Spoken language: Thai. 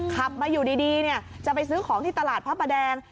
ขับมาอยู่ดีจะไปซื้อของที่ตลาดพระประแดง